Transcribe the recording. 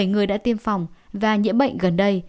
bảy người đã tiêm phòng và nhiễm bệnh gần đây